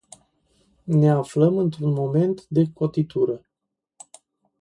Ne aflăm într-un moment de cotitură.